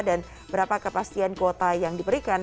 dan berapa kepastian kuota yang diberikan